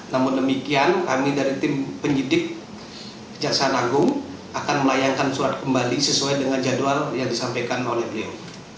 namun demikian kami dari tim penyidik kejaksaan agung akan melayangkan surat kembali sesuai dengan jadwal yang disampaikan oleh beliau